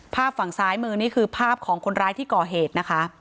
ภาพฝั่งซ้ายมือนี่คือภาพของคนร้ายที่ก่อเหตุนะคะ